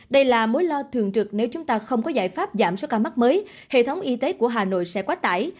đây là mối lo thường trực nếu chúng ta không có giải pháp giảm số ca mắc mới hệ thống y tế của hà nội sẽ quá tải